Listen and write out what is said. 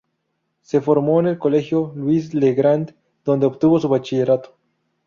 Se formó en el Colegio Louis-le-Grand, donde obtuvo su bachillerato.